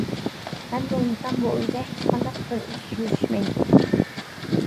— مەن بولمىسام بۇ ئۆيدە ھېچقانداق بىر ئىش يۈرۈشمەيدۇ.